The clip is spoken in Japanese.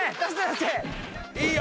いいよ！